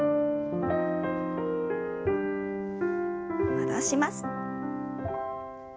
戻します。